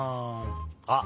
あっ！